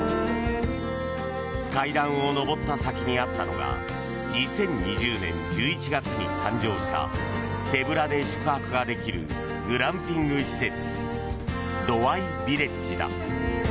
階段を上った先にあったのが２０２０年１１月に誕生した手ぶらで宿泊ができるグランピング施設ＤＯＡＩＶＩＬＬＡＧＥだ。